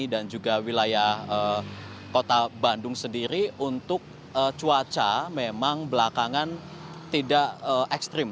dan juga wilayah kota bandung sendiri untuk cuaca memang belakangan tidak ekstrim